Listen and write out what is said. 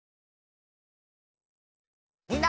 みんな。